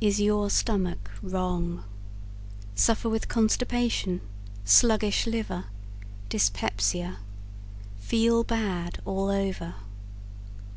Is Your Stomach Wrong? Suffer with Constipation, Sluggish Liver, Dyspepsia, Feel Bad All Over?